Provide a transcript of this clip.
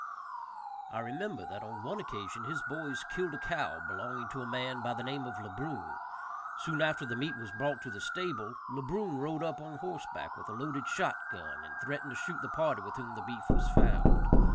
I remember that on one occasion his boys killed a cow belonging to a man by the name of Le Brun; soon after the meat was brought to the stable, Le Brun rode up on horseback with a loaded shot gun and threatened to shoot the party with whom the beef was found.